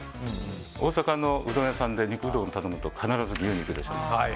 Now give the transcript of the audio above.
大阪のうどん屋さんで肉うどんを頼むと必ず牛肉でしょ。